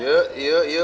yuk yuk yuk